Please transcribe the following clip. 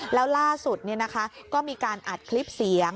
แล้วล่าสุดก็มีการอัดคลิปเสียง